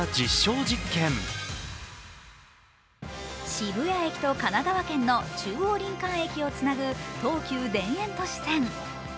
渋谷駅と神奈川県の中央林間駅をつなぐ東急田園都市線。